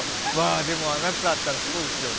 でも、あなただったらそうですよね。